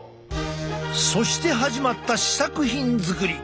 そして始まった試作品作り。